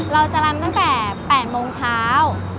เราจะลำตั้งแต่๘โมงเช้า